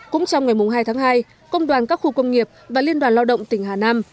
cũng trong ngày hai tháng hai công đoàn các khu công nghiệp và liên đoàn lao động tỉnh hà nam